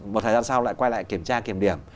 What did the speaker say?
một thời gian sau lại quay lại kiểm tra kiểm điểm